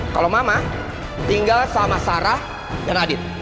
kalau mama tinggal sama sarah dan adit